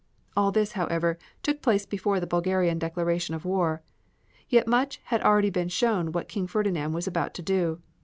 All this, however, took place before the Bulgarian declaration of war. Yet much had already shown what King Ferdinand was about to do.